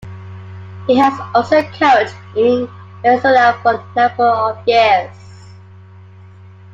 He has also coached in Venezuela for a number of years.